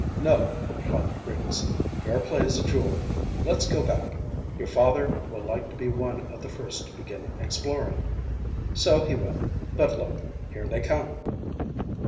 "No," replied Griggs; "fair play's a jewel. Let's go back; your father will like to be one of the first to begin exploring." "So he will; but look, here they come."